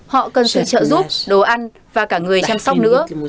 họ cần sự trợ giúp đồ ăn và cả người chăm sóc nữa